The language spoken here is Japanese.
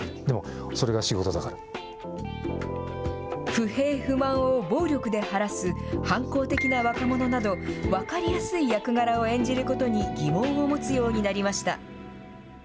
不平不満を暴力で晴らす、反抗的な若者など、分かりやすい役柄を演じることに疑問を持つようになりました。